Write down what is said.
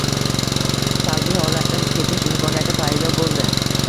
salbiy holatdan ketish imkoniyati paydo bo‘ldi.